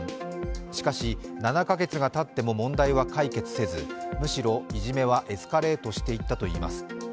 しかし、７か月がたっても問題は解決せずむしろ、いじめはエスカレートしていったといいます。